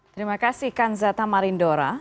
terima kasih kanzata marindora